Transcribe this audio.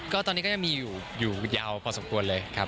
ก็ตอนนี้ก็ยังมีอยู่ยาวพอสมควรเลยครับ